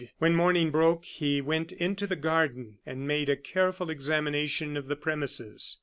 When morning broke, he went into the garden, and made a careful examination of the premises.